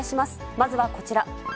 まずはこちら。